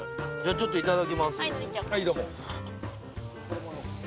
ちょっといただきます。